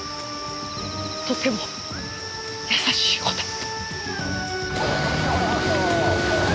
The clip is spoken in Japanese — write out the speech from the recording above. とても優しい子だった。